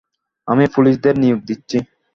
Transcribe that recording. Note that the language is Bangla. আমি পুলিশদের নিয়োগ দিচ্ছি।